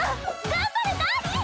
頑張れダーリン！